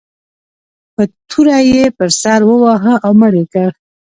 په توره یې پر سر وواهه او مړ یې کړ.